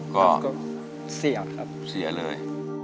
ก็เสียเลย